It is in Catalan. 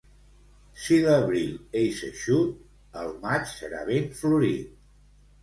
Si l'abril és eixut, el maig serà ben florit.